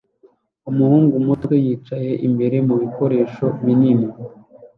Umuhungu muto yicaye imbere mu bikoresho binini